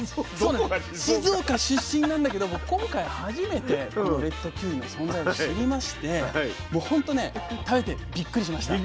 静岡出身なんだけども今回初めてこのレッドキウイの存在を知りましてもうほんとね食べてびっくりしました。